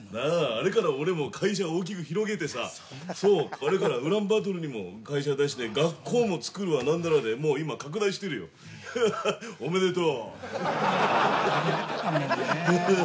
あれから俺も会社大きく広げてさそうなのあれからウランバートルにも会社出して学校もつくるわ何だらでもう今拡大してるよハハッ